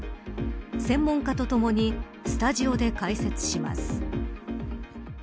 専門家とともにスタジオで解説します。